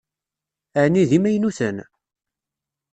Ɛni d imaynuten?